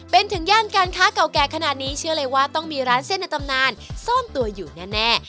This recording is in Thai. เป็นถึงย่านการค้าเก่าแก่ขนาดนี้เชื่อเลยว่าต้องมีร้านเส้นในตำนานซ่อนตัวอยู่แน่